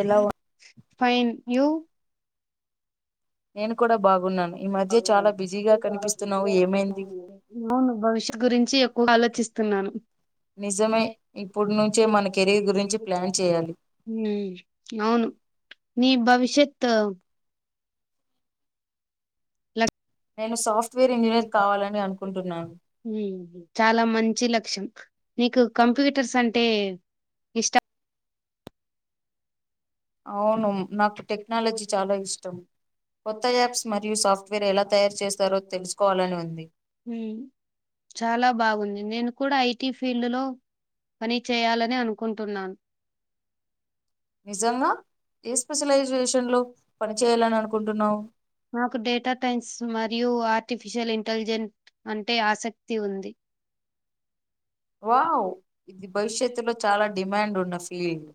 ఎలా ఉ fine you నేను కూడా బాగున్నాను. ఈ ఆ మధ్య చాలా బిజీగా కనిపిస్తున్నావు ఏమైంది భవిష్ గురించి ఎక్కువ గ ఆలోచిస్తు న్నాను. నిజమే ఇప్పుడు నుంచే ఉమ్ మన కెరీర్ గురించి ప్లాన్ చేయాలి అవును నీ భవిష్యత్ నేను సాఫ్ట్వేర్ ఇంజనీర్ కావాలని అనుకుంటున్నాను చాలా మంచి లక్షణం. నీకు కంప్యూటర్స్ అంటే ఇష్టం. అవును నాకు టెక్నాలజీ చాలా ఇష్టం కొత్త యాప్స్ మరియు సాఫ్ట్వేర్ ఎలా తయారు చేస్తారో తెలుసుకోవాలని ఉంది హుమ్ చాలా బాగుంది నేను కూడా ఐ టి ఫీల్డ్లో పని చేయాలని అనుకుంటున్నాను. నిజంగా ఏ స్పెషలైజేషన్ లో పని చేయాలని అనుకుంటున్నావు నాకు డేటా టైన్స్ మరియు టు ఆర్టిఫిషియల్ ఇంటెలిజెంట్ అంటే ఆసక్తి ఉంది. వావ్ ఇది భవిష్యత్తులో చాలా డిమాండ్ ఉన్న ఫీల్డ్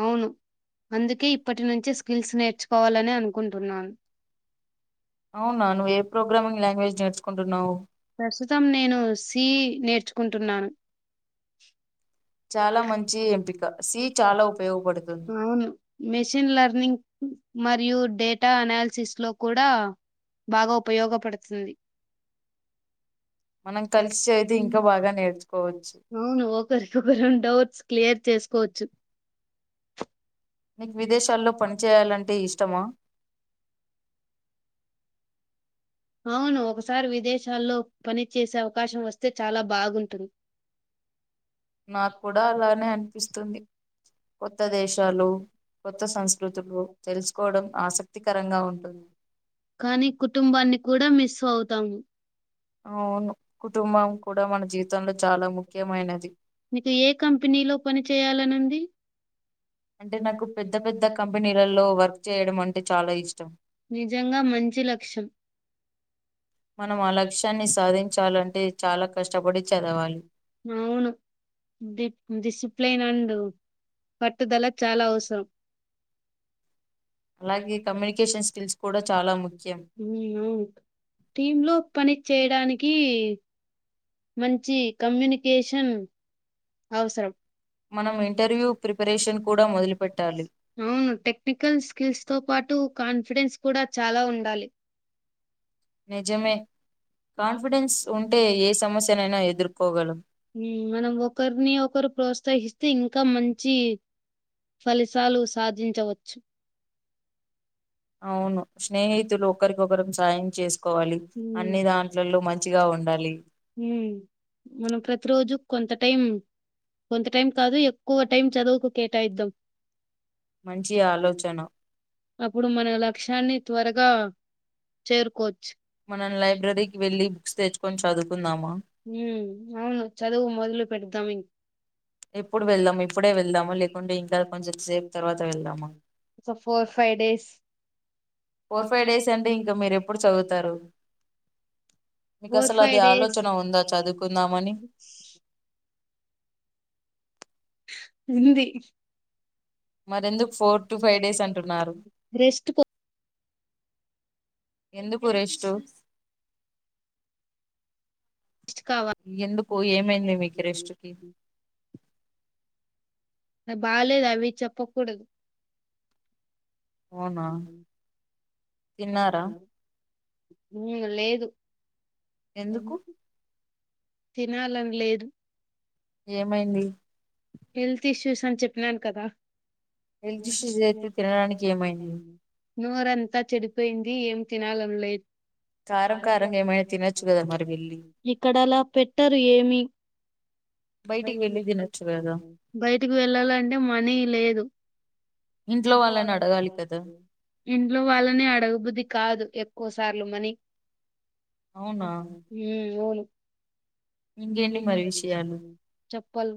అవును అందుకే ఇప్పటి నుంచే స్కిల్స్ నేర్చుకోవాలని అనుకుంటున్నాను. అవునా నువ్వు ఏ ప్రోగ్రామింగ్ లాంగ్వేజ్ నేర్చుకుంటున్నావు ప్రస్తుతం నేను సి నేర్చు కుంటున్నాను. చాలా మంచి ఎంపిక సి చాలా ఉపయోగపడుతుంది అవును మెషిన్ లర్నింగ్ మరియు డేటా అనాలిసిస్ లో కూడా బాగా ఉపయోగపడుతుంది మనం కలిసి చేయితే ఇంకా బాగా నేర్చుకోవచ్చు అవును ఒకరి వురాం డౌట్స్ క్లియర్ చేసుకోవచ్చు. నీకు విదేశాల్లో పనిచేయాలంటే ఇష్టమా? అవును ఒకసారి విదేశాల్లో పనిచేసే అవకాశం వస్తే చాలా బాగుంటుంది. నాక్కుడా అలానే అనిపిస్తుంది. కొత్త దేశాలు కొత్త సంస్కృతులు తెలుసుకోవడం ఆసక్తికరంగా ఉంటుంది. కానీ కుటుంబాన్ని కూడా మిస్ అవుతాము. అవును కుటుంబం కూడా మన జీవితంలో చాలా ముఖ్యమైనది మీకు ఏ కంపెనీలో పని చేయాలనింది అంటే నాకు పెద్ద పెద్ద కంపెనీలలో వర్క్ చేయడం అంటే చాలా ఇష్టం నిజంగా మంచి లక్షణం మనం ఆ లక్ష్యాన్ని సాధించాలంటే చాలా కష్టపడి చదవాలి అవును డిసిప్లిన్ అని డు పట్టుదల చాలా అవసరం మనం అలాగే కమ్యూనికేషన్ స్కిల్స్ కూడా చాలా ముఖ్యం ని [unintelligible] టీమ్ లో పని చేయడానికి మంచి కమ్యూనికేషన్ అవసరం మనం అవును ఇంటర్వ్యూ ప్రిపరేషన్ కూడా మొదలుపెట్టాలి టెక్నికల్ స్కిల్స్ తో పాటు కాన్ఫిడెన్స్ కూడా చాలా ఉండాలి నిజమే కాన్ఫిడెన్స్ ఉంటే ఏ సమస్యనైనా ఎదుర్కోగలం మనం ఒకరిని ఒకరు ప్రోత్సహిస్తే ఇంకా మంచి ఫలితాలు సాధించవచ్చు అవును స్నేహితులు ఒకరికొకరు సాయం చేసుకోవాలి ఉమ్, అన్ని దాంట్లలో మంచిగా ఉండాలి మనం ప్రతి రోజు కొంత టైం కొంత టైం కాదు ఎక్కువ టైం చదువుకు కేటాయిద్దాం మంచి ఆలోచన అప్పుడు మన లక్ష్యాన్ని త్వరగా చేరుకోవచ్చు మనం లైబ్రరీకి వెళ్ళి బుక్స్ తెచ్చుకొని చదువుకుందామా అవును చదువు మొదలు పెడదాం ఇం ఎప్పుడు వెళ్దాము ఇప్పుడే వెళ్దాము లేకుంటే ఇంకా కొంచెం సేపు తర్వాత వెళ్దాము so four five days four five days అంటే ఇంకా మీరు ఎప్పుడు చదువుతారు మీకు ఫోర్ అసలు ఫైవ్ అది డేస్ ఆలోచన ఉందా చదువుకుందామని ఉంది మరెందుకు ఫోర్ టు ఫైవ్ డేస్ అంటున్నారు రెస్ట్ ఎందుకు రెస్ట్ రెస్ట్ ఎందుకు ఏమైంది మీ క రెస్టుకి కావాలి అ బాలేదు అవి చెప్పకూడదు అవునా తిన్నారా లేదు ఏ ఎందుకు తినాలని లేదు ఏమైంది హెల్త్ ఇష్యూస్ అని చెప్పినాను కదా హెల్త్ షూస్ అయితే తినడానికి ఏమైంది నోరుంతా చెడిపోయింది ఏం తినాలం లేదు కారం కారంగా ఏమైనా తినొచ్చు కదా మరి వెళ్ళి ఇక్కడలా పెట్టరు ఏమి బయటికి వెళ్ళ ది నచ్చు బయటకి వెళ్ళాలంటే మనీ లేదు ఇంట్లో వాళ్ళని అడగాలి కదా ఇంట్లో వాళ్ళనే అడగుబుది కాదు ఒక్కసార్లు మనీ అవునా అవును ఇంకేంటి మరి విషయాలు చప్పల్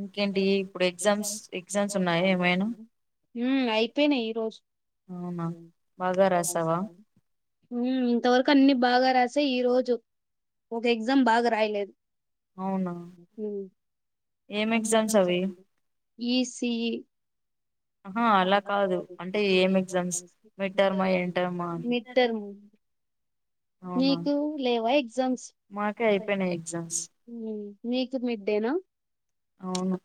ఇంకేంటి ఇప్పుడు ఎగ్జామ్స్ ఎగ్జామ్స్ ఉన్నాయా ఏమైనా హ అయిపోయినాయి ఈ రోజు అవునా బాగా రాసవా ఉమ్ ఇంతవరకు అన్ని బాగా రాసాయి ఈ రోజు ఒక ఎగ్జామ్ బాగా రాయలేదు అవునా ఉహుం ఏం ఎగ్జామ్స్ అవి ఈసీఈ ఆహా అలా కాదు అంటే ఏం ఎగ్జామ్స్ మిడ్ టర్మా ఎంటర్మా మిడ్ టర్మ్ అవునా మీకు లేవా ఎగ్జామ్స్ మాకే అయిపోయినాయి ఎగ్జామ్స్ మీకు మిడ్డేనా అవును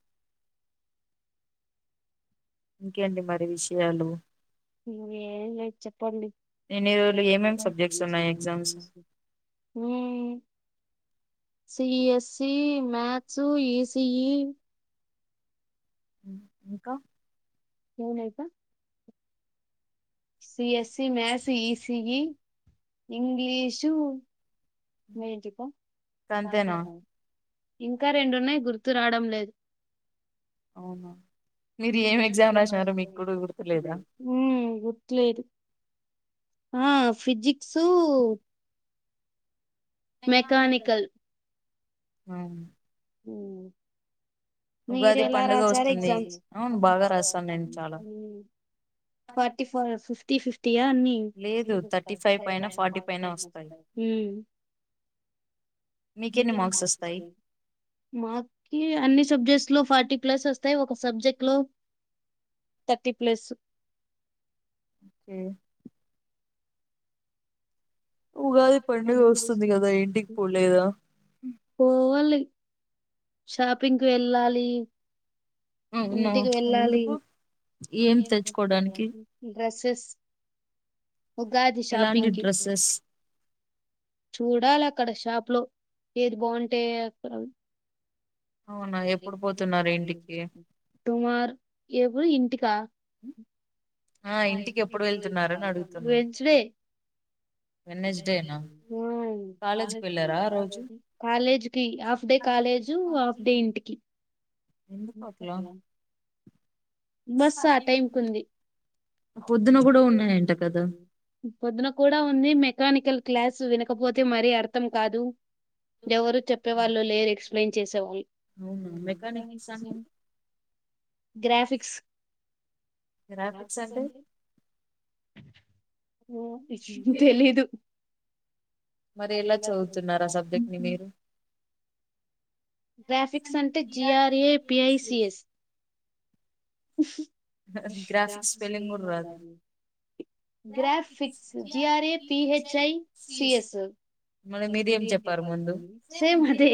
ఇంకేంటి మరి విషయాలు ఇంగేమ్ లేదు చెప్పండి ఎన్ని రోజులు ఏమేమి సబ్జెక్ట్స్ ఉన్నాయి exams um CSE maths ECE ఉ ఇంకా ఎవునయిక్క సిఎస్సి మ్యాథ్స్ ఈసిఈ ఇంగ్లీషు మెంటిప తంతేనా ఇంకా రెండు ఉన్నాయి గుర్తు రావడం లేదు అవునా మీరు ఏం ఎగ్జామ్ రాసినారో మీకు కూడా గుర్తులేదా ఉమ్ గుర్తులేదు ఆ ఫిజిక్స్ మెకానికల్ అవునా ఉ మీరు ఉగాది ఎలా పండుగ రాసార్ వస్తుంది ఎగ్జామ్స్ అవును బాగా రాస్తాను ఉమ్ నేను చాలా ఫార్టీ ఫోర్ ఫిఫ్టీ ఫిఫ్ టియా అని లేదు థర్టీ ఫైవ్ పైన ఫార్టీ పైన వస్తాయి ఉమ్ మీకెన్ని మార్క్స్ ఓస్తాయి మాకి అన్ని సబ్జెక్ట్స్ లో ఫార్టీ ప్లస్ ఓస్తాయి ఒక సబ్జెక్ట్ లో థర్టీ ప్లస్ ఉ ఉగాది పండుగ వస్తుంది కదా ఇంటికి పోలేదా పోవాలి షాపింగ్ కి వెళ్ళాలీ అవునా ఇంటికి వెళ్ళాలీ ఎందుకు ఏం తెచ్చుకోవడానికి డ్రెస్సెస్ ఉగాది ఎలాంటి షాపింగ్ కి డ్రెస్సెస్ చూడాల్ అక్కడ షాప్ లో ఏది బాగుంటే అక్కడ అవునా ఎప్పుడు పోతున్నారు ఇంటికి టుమార్ ఎవర ఇంటికా ఆ ఇంటికి ఎప్పుడు వెళ్తున్నారని వెన్స్ డే వెడ్నెస్డే నా ఆ కాలేజ్ కి half day college half day ఇంటికి ఎందుకట్లా బస్ ఆ టైం ఉంది పొద్దున కూడా ఉన్నాయంట కదా పొద్దున్న కుడా ఉంది మెకానికల్ క్లాస్ వినకపోతే మరీ అర్థం కాదు ఎవరు చెప్పేవాళ్ళు లేరు ఎక్స్ప్లెయిన్ చేసేవాళ్ళు అవునా మెకానిక్స్ అంటే గ్రాఫిక్ గ్రాఫిక్స్ అంటే ఆ [unintelligible] తెలీదు మరి ఎలా చదువుతున్నారు ఆ సబ్జెక్ట్ ని మీరు గ్రాఫిక్స్ అంటే జిఆర్ఎ పిఐసిఎస్ హా హా గ్రాఫిక్స్ స్పెల్లింగ్ గూడ రాదు గ్రాఫీక్స్ జిఆర్ఏ పిహెచ్ఐ సిఎస్ మరి మీరేం చెప్పారు ముందు సేమ్ అదే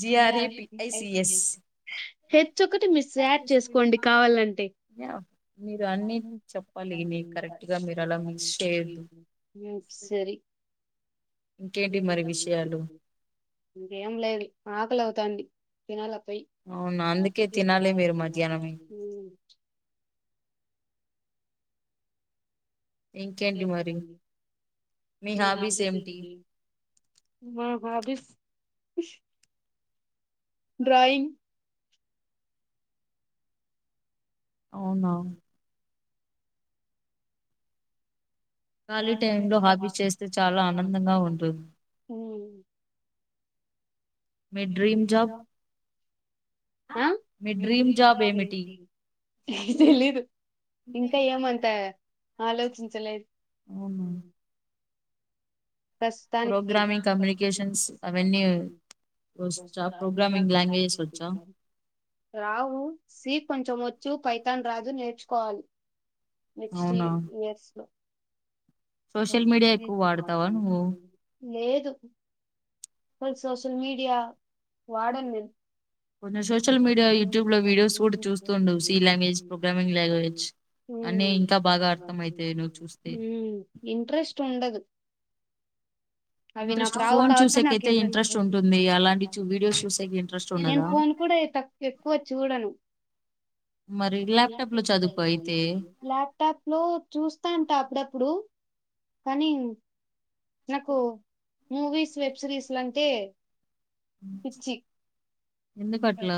జిఆర్ఈపిఐసిఎస్ హెచ్ ఒక్కటి మీస్ యాడ్ చేసుకోండి కావాలంటే యాం మీరు అన్ని చెప్పాలి నీక కరెక్ట్ గా మీరు అలా మిస్ చేయద్దు సరే ఇంకేం లేదు ఆకలు అవుతాంది తినాల వేయి అవునా మా అందుకే మీరు తినాలి మీరు [unintelligible] మొట్లా మధ్యాహ్నమే ఊ ఇంకేంటి మరి మీ హాబీస్ ఏమిటి మీభ మా భబష్ [unintelligible] డ్రాయింగ్ అవునా ఖాళీ టైమ్ లో హాబీ చేస్తే చాలా ఆనందంగా ఉంటుంది మీ డ్రీమ్ జాబ్ అ మీ డ్రీమ్ జాబ్ ఏమిటి తెలీదు ఇంక ఏమంత ఆలోచించలేదు ప్రస్తుతానికి పోగ్రామింగ్ కమ్మ్యూనికేషన్స్ అవెన్యూ ఓచ్చా పోగ్రామింగ్ లాంగ్వేజ్ ఓచ్చా రావు సి కొంచమొచు పైతాన్ రాజు నేర్చుకోవాలి నెక్స్ట్ అవునా ఇయర్స్ లో సోషల్ మీడియా ఎక్కువ వాడతావా నువ్వు లేదు సోషల్ మీడియా వాడను నేను కొంచెం సోషల్ మీడియా యూట్యూబ్ లో వీడియోస్ సూడు చూస్తుండు సి లాంగ్వేజ్ ప్రోగ్రామింగ్ లాంగ్వేజ్ ఊ అని ఇంకా బాగా అర్థం అయితాయి నువ్వు చూస్తే ఊ ఇంట్రెస్ట్ ఉండదూ ఇంట్రెస్ట్ రావు ఫోన్ కాబట్టి చేస్తే నాకు అయితే ఇంట్రెస్ట్ ఉంటుంది అలాంటి వీడియోస్ చూసేకి ఇంట్రెస్ట్ నేను ఉండదా ఫోన్ కూడా మరి ల్యాప్టాప్ లో చదువుకో అయితే లాప్టాప్ లో చూస్తా ఉంటా అప్పుడప్పుడు అప్పుడు కానీ నాకు మూవీస్ వెబ్ సిరీస్ అంటే పచ్చి ఎందుకు అట్లా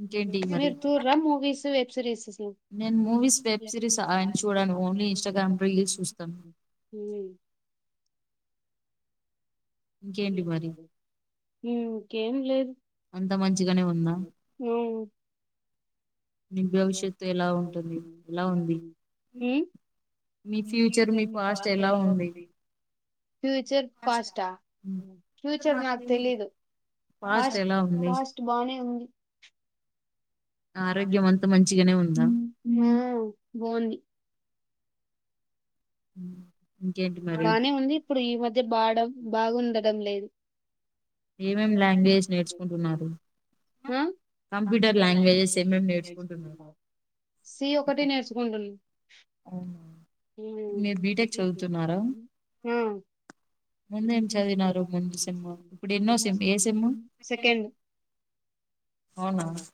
ఇంకేంటి మరి మీరు చూడరా మూవీస్ వెబ్ సిరీస్ నేను మూవీస్ వెబ్ సిరీస్ ఆయన చూడాలి ఓన్లీ ఇన్స్టాగ్రామ్ రీల్స్ చూస్తాను ఉ ఇంకేంటి మరి ఇంకేం లేదు అంత మంచిగానే ఉందా ఉ మీ భవిష్యత్తు ఎలా ఉంటుంది ఎలా ఉంది మీ ఫ్యూచర్ మీ పాస్ట్ ఎలా ఉంది ఫ్యూచర్ ఫాస్ట్ ట ఫ్యూచర్ నాకు తెలీదు పాస్ట్ ఎలా ఉంది ఫాస్ట్ బానే ఉంది ఆరోగ్యం అంతా మంచిగానే ఉందా బాగుంది ఉ బానే ఉంది ఇప్పుడు ఈ మధ్య బాడ బాగుండడం లేదు ఏమేం లాంగ్వేజ్ నేర్చుకుంటున్నారు ఆ కప్యూటర్ లాంగ్వేజెస్ ఎక్కువ నేర్చుకుంటున్నారు సి ఒకటి నేర్చుకుంటుంది అవునా ఇప్పుడు మీరు బీటెక్ ఉ ఆ ముందేం చదివినారు ముందు సినిమా ఇడు ఎన్నో సిమ్ ఏ సిమ్ సెకండ్ అవునా